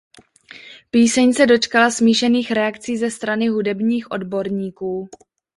Píseň se dočkala smíšených reakcí ze strany hudebních odborníků.